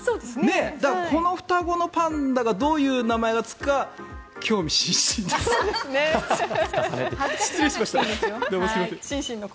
だから、この双子のパンダがどういう名前がつくか興味シンシンです。